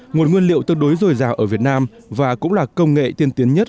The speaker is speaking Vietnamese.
nguồn nguyên liệu tương đối dồi dào ở việt nam và cũng là công nghệ tiên tiến nhất